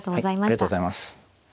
ありがとうございます。